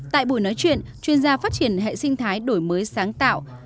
tại buổi nói chuyện chuyên gia phát triển hệ sinh thái đổi mới sáng tạo